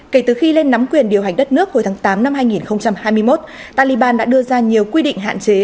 kể từ khi lên nắm quyền điều hành đất nước hồi tháng tám năm hai nghìn hai mươi một taliban đã đưa ra nhiều quy định hạn chế